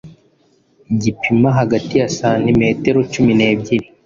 gipima hagati ya santimetero cumi nebyiri